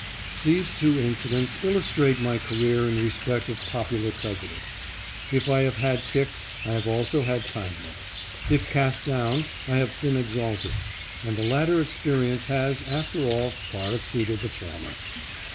These two incidents illus trate my career in respect of popular prejudice. If I have had kicks, I have also had kindness. If cast down, 1 have been exalted ; and the latter experience has, after all, far exceeded the former.